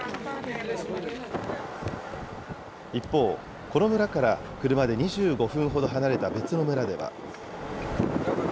一方、この村から車で２５分ほど離れた別の村では。